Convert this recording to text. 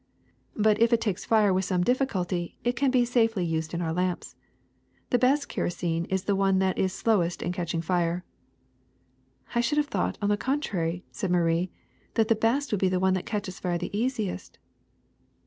But if it takes fire with some difiiculty, it can safely be used in our lamps. The best kerosene is the one that is slowest in catching fire. '' ^^I should have thought, on the contrary,*' said Marie, *'that the best would be the one that catches fire the easiest."